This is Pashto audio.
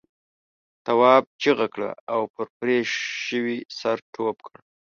تواب چیغه کړه او پر پرې شوي سر ټوپ کړ.